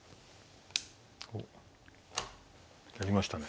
おっやりましたね。